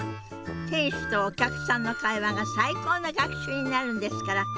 店主とお客さんの会話が最高の学習になるんですから。